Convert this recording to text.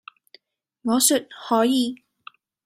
我説「可以！」